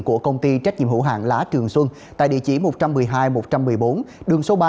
của công ty trách nhiệm hữu hạng lá trường xuân tại địa chỉ một trăm một mươi hai một trăm một mươi bốn đường số ba